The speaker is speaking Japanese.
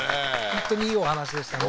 本当にいいお話でしたね